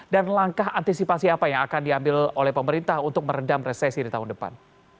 dan langkah antisipasi apa yang akan diambil oleh pemerintah untuk meredam resesi di tahun depan